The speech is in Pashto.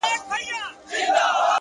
د باد حرکت د پردې شکل بدلوي!